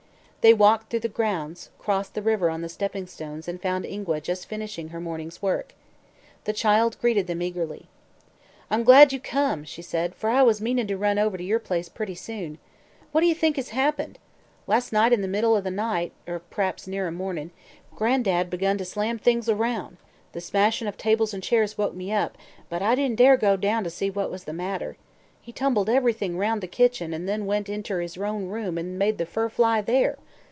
They walked through the grounds, crossed the river on the stepping stones and found Ingua just finishing her morning's work. The child greeted them eagerly. "I'm glad you come," she said, "for I was meanin' to run over to your place pretty soon. What d'ye think hes happened? Las' night, in the middle o' the night or p'r'aps nearer mornin' Gran'dad begun to slam things aroun'. The smashin' of tables an' chairs woke me up, but I didn't dare go down to see what was the matter. He tumbled ev'rything 'round in the kitchen an' then went inter his own room an' made the fur fly there.